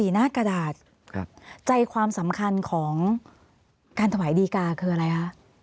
หน้ากระดาษใจความสำคัญของการถวายดีกาคืออะไรคะ